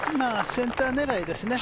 センター狙いですね。